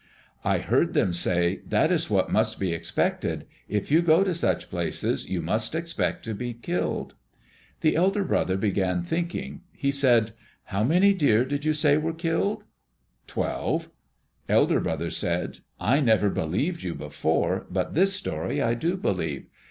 I heard them say, 'That is what must be expected. If you go to such places, you must expect to be killed.'" The elder brother began thinking. He said, "How many deer did you say were killed?" "Twelve." Elder brother said, "I never believed you before, but this story I do believe.